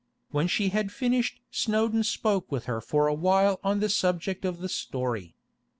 When she had finished Snowdon spoke with her for awhile on the subject of the story.